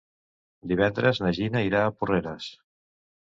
Divendres na Gina irà a Porreres.